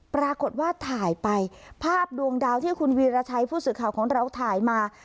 ปรากฏว่าถ่ายไปภาพดวงดาวที่คุณวีรชัยผู้สื่อข่าวของเราถ่ายมา